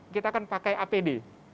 kita akan pakai apd